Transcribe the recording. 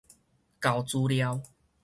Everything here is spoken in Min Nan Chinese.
厚資料